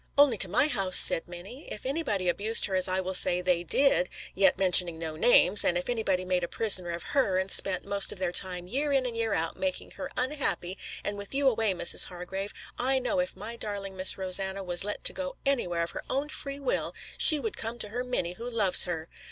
"Only to my house," said Minnie. "If anybody abused her as I will say they did, yet mentioning no names, and if anybody made a prisoner of her, and spent most of their time year in and out making her unhappy, and with you away, Mrs. Hargrave, I know if my darling Miss Rosanna was let to go anywhere of her own free will, she would come to her Minnie who loves her.